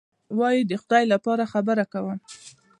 وایي: د خدای لپاره خبره کوم.